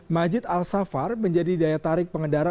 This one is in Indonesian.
masjid al safar menjadi daya tarik pengendara